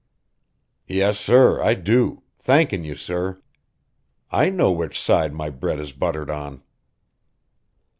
"Yes, sir, I do thankin' you, sir. I know which side my bread is buttered on."